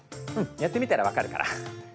うんやってみたら分かるから。